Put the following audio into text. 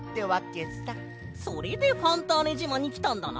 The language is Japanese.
それでファンターネじまにきたんだな。